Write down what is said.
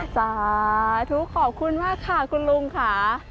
สาธุขอบคุณมากค่ะคุณลุงค่ะ